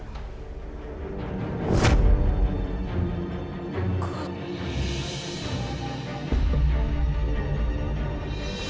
sekaligus kita akan melenyapkan musuh besar itu ma